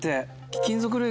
貴金属類。